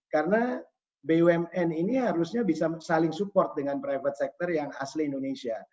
karena bumn ini harusnya bisa saling support dengan private sector yang asli indonesia